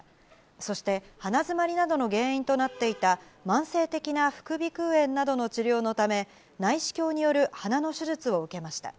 そして、鼻詰まりなどの原因となっていた慢性的な副鼻腔炎などの治療のため、内視鏡による鼻の手術を受けました。